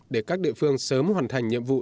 để các địa phương sớm hoàn thành nhiệm vụ